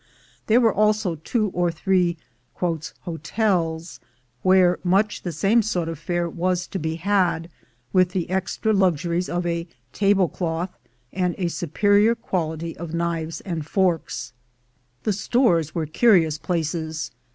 There were also two or three "hotels," where much the same sort of fare was to be had, with the extra luxuries of a table cloth and a superior quality of knives and forks.] The stores were curious places.